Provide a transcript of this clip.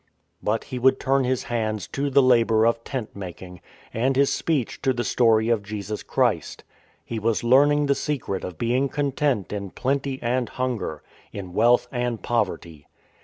But he would turn his hands to the labour of tent making, and his speech to the story of Jesus Christ. He was learning the secret of being content in plenty and hunger, in wealth and poverty.